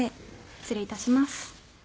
失礼いたします。